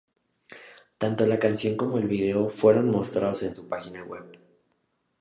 Tanto la canción como el video fueron mostrados en su página web.